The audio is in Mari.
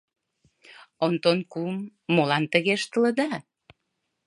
Онтон кум, молан тыге ыштылыда?